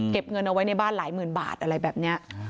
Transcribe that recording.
เงินเอาไว้ในบ้านหลายหมื่นบาทอะไรแบบนี้